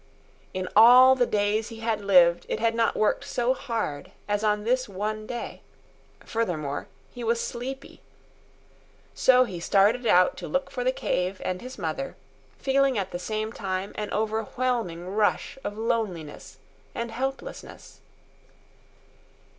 In all the days he had lived it had not worked so hard as on this one day. Furthermore, he was sleepy. So he started out to look for the cave and his mother, feeling at the same time an overwhelming rush of loneliness and helplessness.